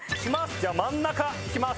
じゃあ真ん中引きます。